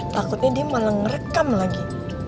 takutnya dia malah ngerekam lagi